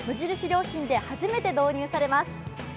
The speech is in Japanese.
良品で初めて導入されます。